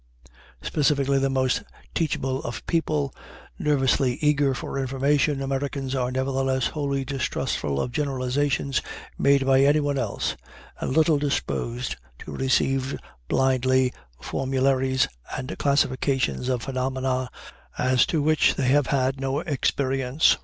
Specifically the most teachable of people, nervously eager for information, Americans are nevertheless wholly distrustful of generalizations made by anyone else, and little disposed to receive blindly formularies and classifications of phenomena as to which they have had no experience.